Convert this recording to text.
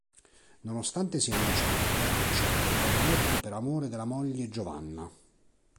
Nonostante sia innocente, accetta il verdetto per amore della moglie Giovanna.